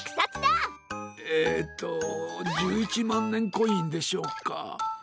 えっと１１まんねんコインでしょうか。